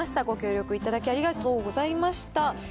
ご協力いただきありがとうございました。